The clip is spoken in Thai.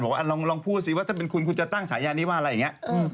ว่าลองพูดสิว่าถ้าเป็นคุณคุณจะตั้งฉายานี้ว่าอะไรอย่างนี้